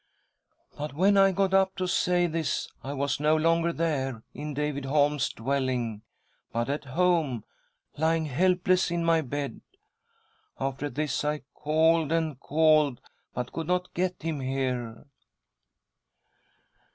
" But when I got up to say this I was no longer there, in David Holm's dwelling, but at home lying helpless in my bed ! After this I called and called, but could not get him here."